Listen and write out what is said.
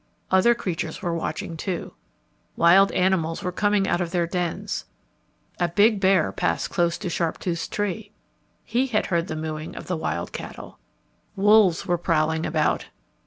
Other creatures were watching, too. Wild animals were coming out of their dens. A big bear passed close to Sharptooth's tree. He had heard the mooing of the wild cattle. Wolves were prowling about.